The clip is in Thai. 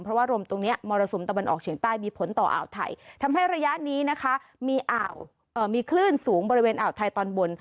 เพราะว่าลมตรงนี้มรสุมตะวันออกเฉียงใต้มีผลต่ออ่าวไทยทำให้ระยะนี้นะคะมีคลื่นสูงบริเวณอ่าวไทยตอนบน